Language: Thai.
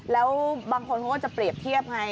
แล้วบางคนเขาก็จะเปรียบเทียบไง